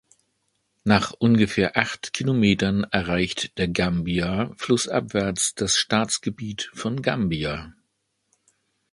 Nach ungefähr acht Kilometern erreicht der Gambia flussabwärts das Staatsgebiet von Gambia.